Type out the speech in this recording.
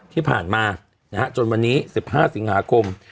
ที่ผ่านมาจนวันนี้๑๕สิงหาคม